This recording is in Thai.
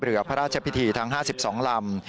เรือพระราชพิธีทั้ง๕๒ลำ